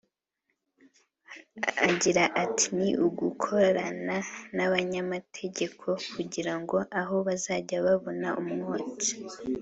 Agira ati “Ni ugukorana n’abanyamategeko kugira ngo aho bazajya babona umwotsi